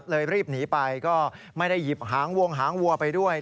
รีบหนีไปก็ไม่ได้หยิบหางวงหางวัวไปด้วย